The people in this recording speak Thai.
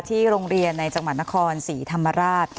ที่โรงเรียนในจังหวัดนครศรีธรรมราช